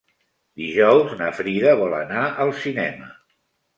Dijous na Frida vol anar al cinema.